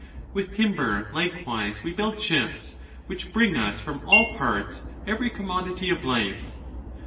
With timber likewise we build ships, which bring us from all parts every commodity of life.